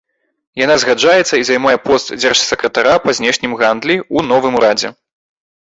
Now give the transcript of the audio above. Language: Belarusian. Яна згаджаецца і займае пост дзяржсакратара па знешнім гандлі ў новым урадзе.